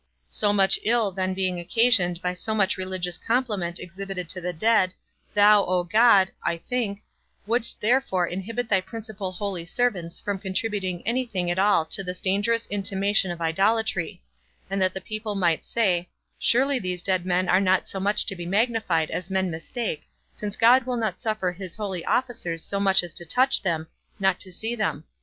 _ So much ill then being occasioned by so much religious compliment exhibited to the dead, thou, O God (I think), wouldst therefore inhibit thy principal holy servants from contributing any thing at all to this dangerous intimation of idolatry; and that the people might say, Surely those dead men are not so much to be magnified as men mistake, since God will not suffer his holy officers so much as to touch them, not to see them.